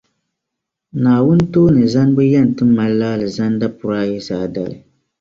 Naawuni tooni zanibu yɛn ti malila Alizanda puri ayi Zaadali.